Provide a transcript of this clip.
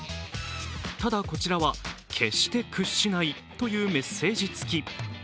ただこちらは決して屈しないというメッセージつき。